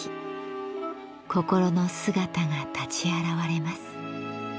心の姿が立ち現れます。